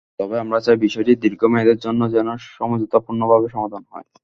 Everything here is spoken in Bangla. তবে আমরা চাই বিষয়টি দীর্ঘ মেয়াদের জন্যই যেন সমঝোতাপূর্ণভাবে সমাধান হয়।